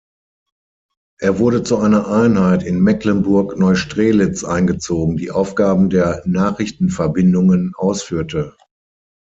Er wurde zu einer Einheit in Mecklenburg-Neustrelitz eingezogen, die Aufgaben der Nachrichtenverbindungen ausführte.